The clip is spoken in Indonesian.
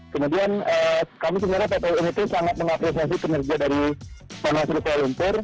kemudian kami sebenarnya ppu ini sangat mengapresiasi kinerja dari panu sukl lumpur